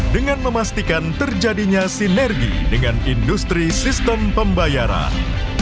dengan memastikan terjadinya sinergi dengan industri sistem pembayaran